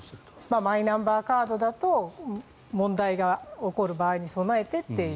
マイナンバーカードだと問題が起こる場合に備えてっていう。